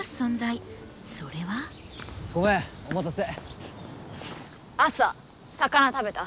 ごめんお待たせ。